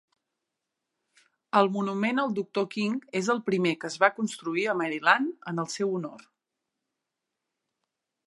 El monument al doctor King és el primer que es va construir a Maryland en el seu honor.